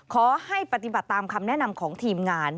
ขอให้ปฏิบัติตามคำแนะนำของทีมงาน